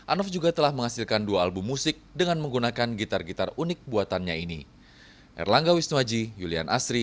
anof juga telah menghasilkan dua album musik dengan menggunakan gitar gitar unik buatannya ini